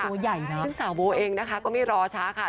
ซึ่งสาวโวเองก็ไม่รอช้าค่ะ